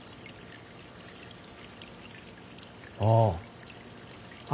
ああ。